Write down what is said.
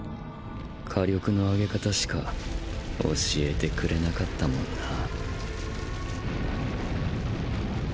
火力の上げ方しか教えてくれなかったもんなぁ。